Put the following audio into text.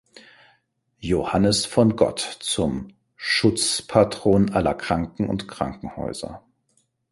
Johannes von Gott zum „Schutzpatron aller Kranken und Krankenhäuser“.